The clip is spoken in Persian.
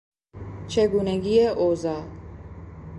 چگونگی اوضاع